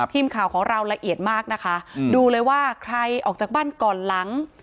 ทีมข่าวของเราละเอียดมากนะคะดูเลยว่าใครออกจากบ้านก่อนหลัง